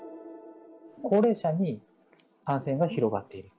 高齢者に感染が広がっている。